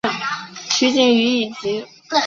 取景于以及。